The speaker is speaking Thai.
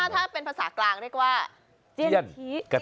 ถ้าเป็นภาษากลางดีกว่า